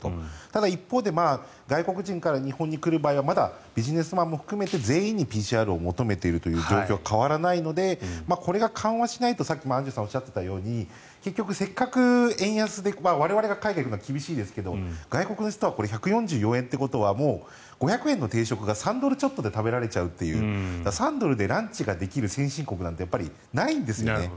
ただ、一方で外国から日本に来る場合はまだビジネスマンも含めて全員にＰＣＲを求めている状況は変わらないのでこれが緩和しないとさっきもアンジュさんがおっしゃっていたように結局せっかく円安で、我々が海外に行くのは厳しいですが外国の人は１４４円ということはもう５００円の定食が３ドルちょっとで食べられちゃうという３ドルでランチができる先進国なんてやっぱりないんですよね。